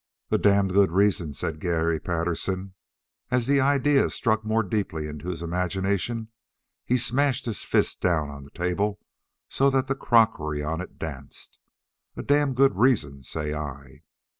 "A damned good reason," said Garry Patterson. As the idea stuck more deeply into his imagination he smashed his fist down on the table so that the crockery on it danced. "A damned good reason, say I!"